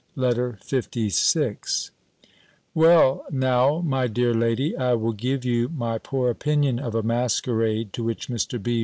B. LETTER LVI Well, now, my dear lady, I will give you my poor opinion of a masquerade, to which Mr. B.